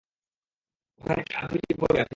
ওখানে একটা আরপিজি পড়ে আছে।